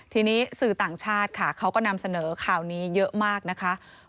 ทีนี้สื่อต่างชาติค่ะเขาก็นำเสนอข่าวนี้เยอะมากนะคะ